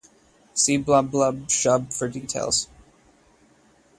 See Blum Blum Shub for details.